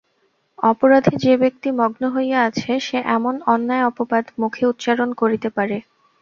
অপরাধে যে-ব্যক্তি মগ্ন হইয়া আছে, সে এমন অন্যায় অপবাদ মুখে উচ্চারণ করিতে পারে!